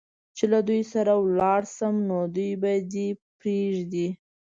چې له دوی سره ولاړ شم، نو دوی به دې پرېږدي؟